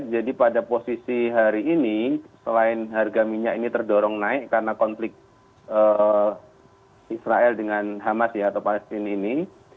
jadi pada posisi hari ini selain harga minyak ini terdorong naik karena konflik israel dengan hamas ya atau palestina ini